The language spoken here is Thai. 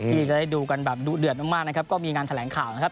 ที่จะได้ดูกันแบบดุเดือดมากนะครับก็มีงานแถลงข่าวนะครับ